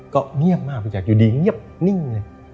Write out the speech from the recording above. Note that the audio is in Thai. ก็เงียบมากไปจากอยู่ดีเงียบนิ่ง